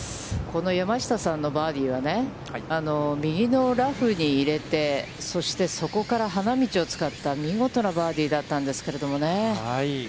この山下さんのバーディーは、右のラフに入れて、そして、そこから花道を使った見事なバーディーだったんですけれどもね。